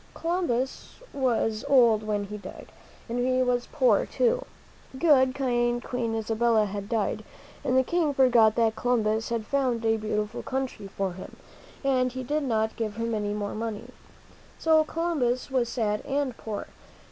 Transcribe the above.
Columbus was old when he died, and he was poor, too. Good, kind Queen Isabella had died, and the King forgot that Columbus had found a beautiful new country for him, and he did not give him any more money. So Columbus was sad and poor.